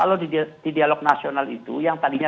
kalau di dialog nasional itu yang tadinya